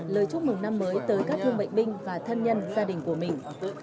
lời chúc mừng năm mới tới các thương bệnh binh và thân nhân gia đình của mình